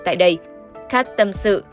tại đây kat tâm sự